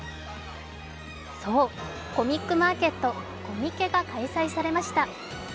そう、コミックマーケットコミケが開催されました。